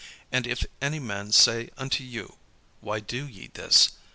And if any man say unto you, 'Why do ye this?'